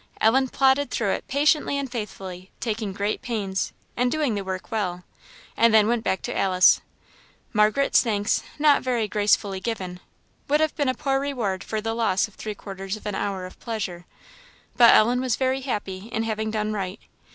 Ellen plodded through it patiently and faithfully, taking great pains, and doing the work well, and then went back to Alice. Margaret's thanks, not very gracefully given, would have been a poor reward for the loss of three quarters of an hour of pleasure. But Ellen was very happy in having done right.